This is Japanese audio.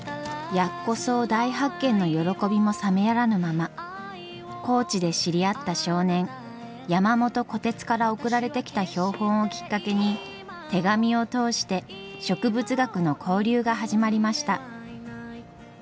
ヤッコソウ大発見の喜びも冷めやらぬまま高知で知り合った少年山元虎鉄から送られてきた標本をきっかけに手紙を通して植物学の交流が始まりました。